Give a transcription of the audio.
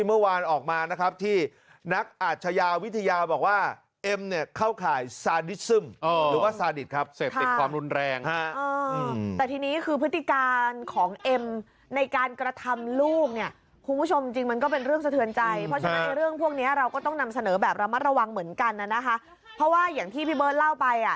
เพราะฉะนั้นเรื่องพวกเนี้ยเราก็ต้องนำเสนอแบบระมัดระวังเหมือนกันนะนะคะเพราะว่าอย่างที่พี่เบิ้ลเล่าไปอ่ะ